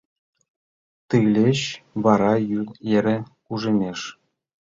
Тылеч вара йӱд эре кужемеш.